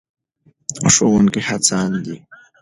ښوونکي هڅاند دي.